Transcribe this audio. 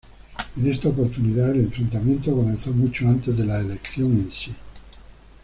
En esta oportunidad el enfrentamiento comenzó mucho antes de la elección en sí.